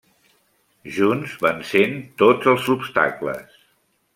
Junts vencen tots els obstacles.